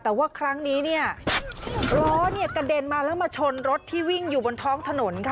แต่ว่าครั้งนี้เนี่ยล้อเนี่ยกระเด็นมาแล้วมาชนรถที่วิ่งอยู่บนท้องถนนค่ะ